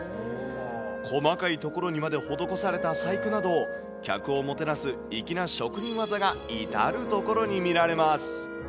細かいところにまで施された細工など、客をもてなす粋な職人技が至る所に見られます。